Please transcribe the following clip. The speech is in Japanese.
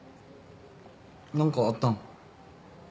何かあったん。